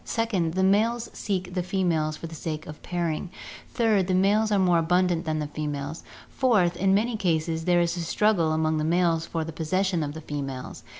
Second, the males seek the females for the sake of pairing. Third, the males are more abundant than the females. Fourth, in many cases there is a struggle among the males for the possession of the females.